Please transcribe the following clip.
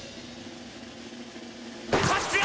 こっちよ！